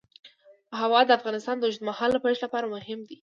هوا د افغانستان د اوږدمهاله پایښت لپاره مهم رول لري.